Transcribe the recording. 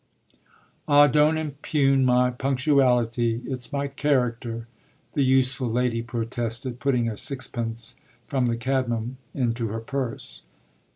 "Ah don't impugn my punctuality it's my character!" the useful lady protested, putting a sixpence from the cabman into her purse.